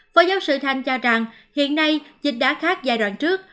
phó giáo sư thanh cho rằng hiện nay dịch đã khác giai đoạn trước